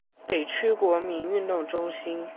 北区国民运动中心